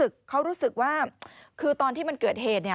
เขารู้สึกว่าคือตอนที่มันเกิดเหตุ